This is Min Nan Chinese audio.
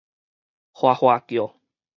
譁譁叫